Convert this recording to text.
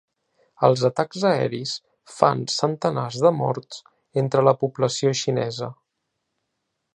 Els atacs aeris fan centenars de morts entre la població xinesa.